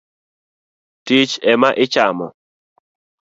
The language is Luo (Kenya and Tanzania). Thich ema ichamo